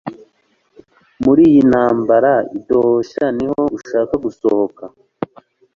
Muri iyi ntambara idohosha niho ushaka gusohoka